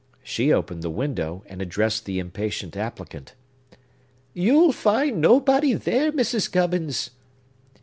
She opened the window, and addressed the impatient applicant. "You'll find nobody there, Mrs. Gubbins."